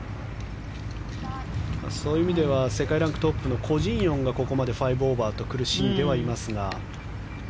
そういう意味では世界ランクトップのコ・ジンヨンがここまで５オーバーと苦しんではいますが。